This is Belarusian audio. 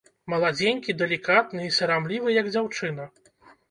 Маладзенькі, далікатны і сарамлівы, як дзяўчына.